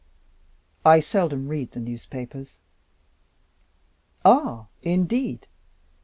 "I seldom read the newspapers." "Ah, indeed?